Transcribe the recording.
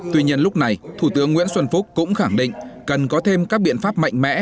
tuy nhiên lúc này thủ tướng nguyễn xuân phúc cũng khẳng định cần có thêm các biện pháp mạnh mẽ